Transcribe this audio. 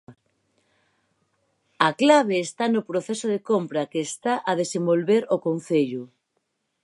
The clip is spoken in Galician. A clave está no proceso de compra que está a desenvolver o concello.